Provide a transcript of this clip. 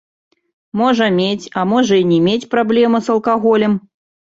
Можа мець, а можа і не мець праблемы з алкаголем.